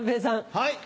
はい。